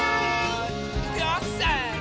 いくよせの！